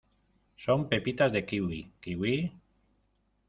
son pepitas de kiwi. ¿ kiwi?